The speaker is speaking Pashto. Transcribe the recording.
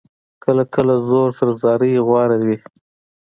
کله کله زور تر زارۍ غوره وي.